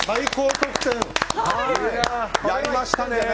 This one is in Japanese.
やりましたね。